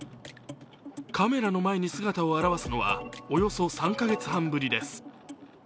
カメラの前に姿を現すのは、およそ３か月半ぶりです。